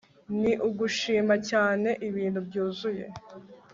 ni ugushima cyane ibintu byuzuye